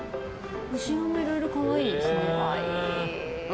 後ろもいろいろ可愛いですね。